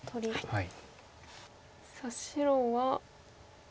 はい。